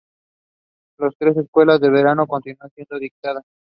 Las tres escuelas de verano continúan siendo dictadas.